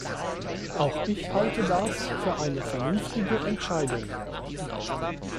Auch ich halte das für eine vernünftige Entscheidung.